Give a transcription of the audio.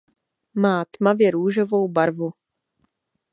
Má tmavě růžovou baru.